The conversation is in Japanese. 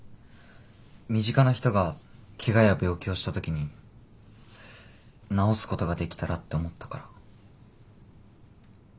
身近な人が怪我や病気をした時に治すことができたらって思ったから。